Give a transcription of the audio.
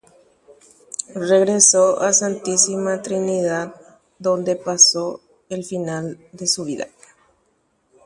ojevy Santísima Trinidad-pe ohasahaguépe hekove ipahaite peve